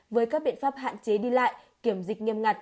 với các biện pháp hạn chế đi lại kiểm dịch nghiêm ngặt